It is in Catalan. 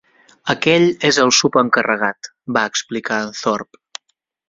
Aquell és el subencarregat, va explicar en Thorpe.